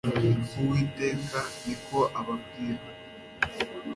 uwiteka niko ababwira